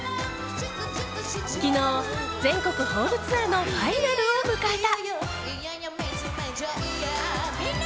昨日、全国ホールツアーのファイナルを迎えた。